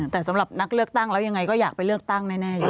แต่สำหรับนักเลือกตั้งแล้วยังไงก็อยากไปเลือกตั้งแน่อยู่